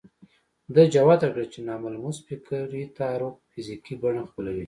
ده جوته کړه چې ناملموس فکري تحرک فزيکي بڼه خپلوي.